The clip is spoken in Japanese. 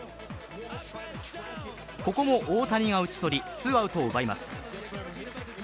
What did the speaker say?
ここも大谷が打ち取りツーアウトを奪います。